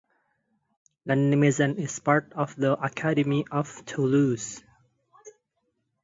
Lannemezan is part of the Academy of Toulouse.